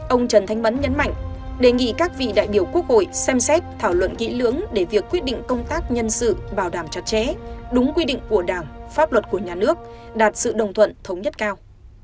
ông trần thanh mẫn nhấn mạnh đề nghị các vị đại biểu quốc hội xem xét thảo luận kỹ lưỡng để việc quyết định công tác nhân sự bảo đảm chặt chẽ đúng quy định của đảng pháp luật của nhà nước đạt sự đồng thuận thống nhất cao